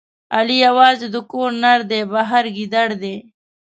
علي یوازې د کور نردی، بهر ګیدړ دی.